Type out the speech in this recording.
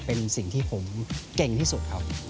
เป็นสิ่งที่ผมเก่งที่สุดครับ